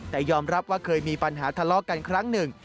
แต่ยอมรับว่าเคยมีปัญหาทะเลาะกันครั้งหนึ่ง